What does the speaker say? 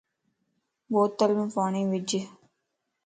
بوتلم پاڻين وج